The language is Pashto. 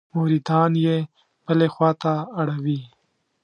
مریدان یې بلې خوا ته اړوي.